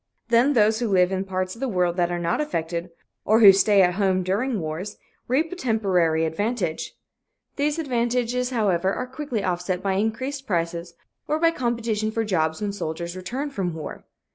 Then those who live in parts of the world that are not affected, or who stay at home during wars, reap a temporary advantage. These advantages, however, are quickly offset by increased prices, or by competition for jobs when soldiers return from war.